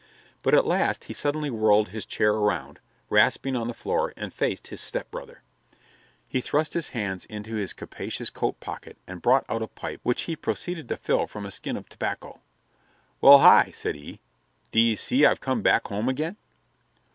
But at last he suddenly whirled his chair around, rasping on the floor, and faced his stepbrother. He thrust his hand into his capacious coat pocket and brought out a pipe which he proceeded to fill from a skin of tobacco. "Well, Hi," said he, "d'ye see I've come back home again?"